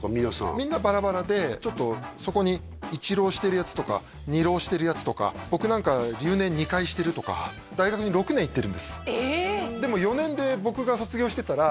みんなバラバラでそこに１浪してるヤツとか２浪してるヤツとか僕なんかは留年２回してるとか大学に６年行ってるんですええ！